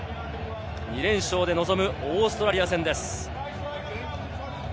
２連勝で臨むオーストラリア戦です。